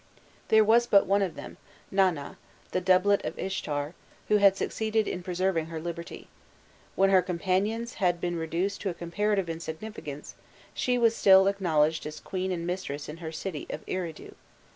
There was but one of them, Nana, the doublet of Ishtar, who had succeeded in preserving her liberty: when her companions had been reduced to comparative insignificance, she was still acknowledged as queen and mistress in her city of Eridu.